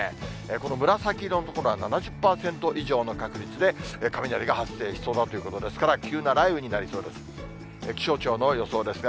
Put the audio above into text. この紫色の所は７０％以上の確率で雷が発生しそうだということですから、急な雷雨になりそうです。